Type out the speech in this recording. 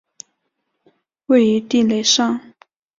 位于地垒上。